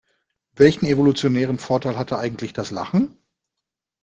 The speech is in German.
Welchen evolutionären Vorteil hatte eigentlich das Lachen?